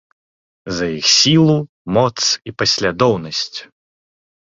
За іх сілу, моц і паслядоўнасць.